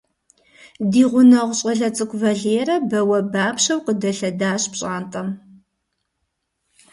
Ди гъунэгъу щӀалэ цӀыкӀу Валерэ бауэбапщэу къыдэлъэдащ пщӀантӀэм.